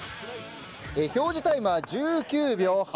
表示タイムは１９秒８２。